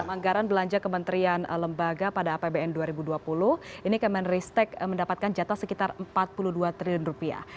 anggaran belanja kementerian lembaga pada apbn dua ribu dua puluh ini kemenristek mendapatkan jatah sekitar empat puluh dua triliun rupiah